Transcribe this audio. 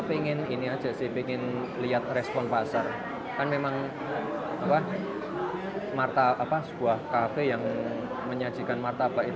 konsepnya seperti itu